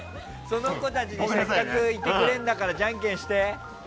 その子たちせっかくいてくれるんだからじゃんけんして。